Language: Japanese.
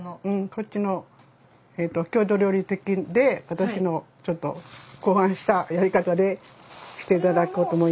こっちの郷土料理的で私の考案したやり方でしていただこうと思います。